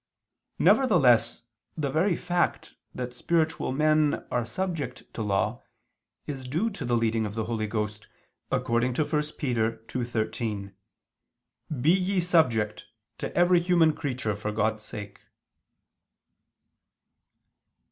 Nevertheless the very fact that spiritual men are subject to law, is due to the leading of the Holy Ghost, according to 1 Pet. 2:13: "Be ye subject ... to every human creature for God's sake."